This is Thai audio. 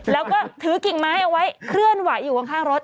แล้วก็ถือกิ่งไม้เอาไว้เคลื่อนไหวอยู่ข้างรถ